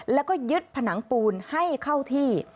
แล้วก็ยึดผนังปูนให้เข้าที่